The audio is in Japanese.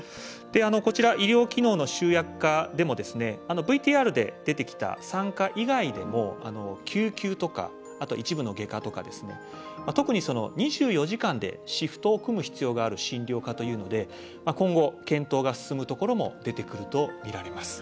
こちら、医療機能の集約化でもＶＴＲで出てきた産科以外でも救急とか、あと一部の外科とか特に２４時間でシフトを組む必要がある診療科というので今後、検討が進むところも出てくるとみられます。